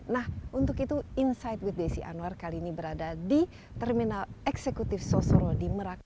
nah untuk itu insight with desi anwar kali ini berada di terminal eksekutif sosoro di merak